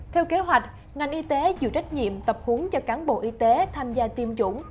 theo kế hoạch ngành y tế chịu trách nhiệm tập hướng cho cán bộ y tế tham gia tiêm chủng